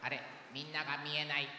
みんながみえない。